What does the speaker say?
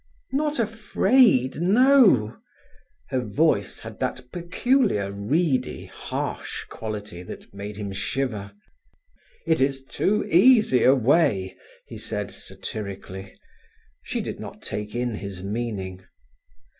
"Not afraid, no…." Her voice had that peculiar, reedy, harsh quality that made him shiver. "It is too easy a way," he said satirically. She did not take in his meaning.